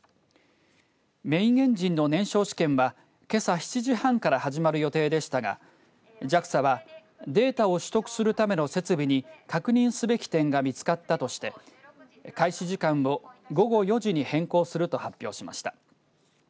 メインエンジンの燃焼試験は、けさ７時半から始まる予定でしたがＪＡＸＡはデータを取得するための設備に確認すべき点が見つかったとして開始時間を午後４時に変更すると発表しました。